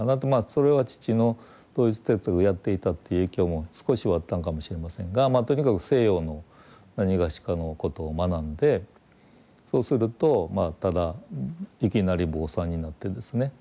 それは父のドイツ哲学をやっていたっていう影響も少しはあったんかもしれませんがとにかく西洋のなにがしかのことを学んでそうするとただいきなり坊さんになってですね